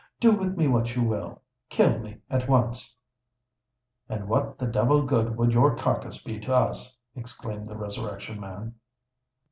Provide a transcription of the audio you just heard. "Do with me what you will—kill me at once!" "And what the devil good would your carcass be to us?" exclaimed the Resurrection Man.